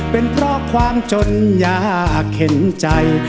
เป็นเพราะความจนยากเข็นใจ